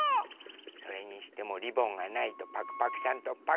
それにしてもリボンがないとパクパクさんとパクこさん